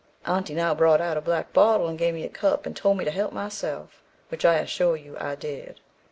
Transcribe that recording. "' "Aunty now brought out a black bottle and gave me a cup, and told me to help myself, which I assure you I did.